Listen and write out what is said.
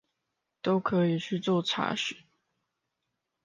都可以去做查詢